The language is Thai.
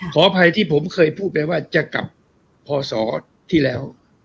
ขออภัยที่ผมเคยพูดไปว่าจะกลับพศที่แล้ว